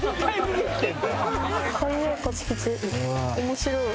面白い。